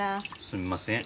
すみません。